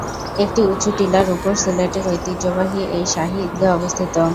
একটি উচু টিলার উপর সিলেটের ঐতিহ্যবাহী এই শাহী ঈদগাহ অবস্থিত।